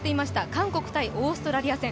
韓国×オーストラリア戦